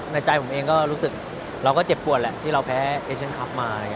ในใจผมเองก็รู้สึกเราก็เจ็บปวดแหละที่เราแพ้เอเชียนคลับมา